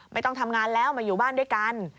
ไม่ต้องทำงานแล้วมาอยู่บ้านด้วยกัน